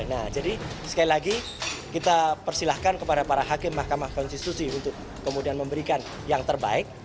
nah jadi sekali lagi kita persilahkan kepada para hakim mahkamah konstitusi untuk kemudian memberikan yang terbaik